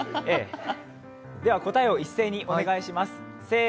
では、答えを一斉にお願いします。